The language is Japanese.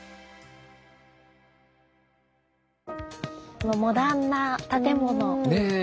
このモダンな建物！ねえ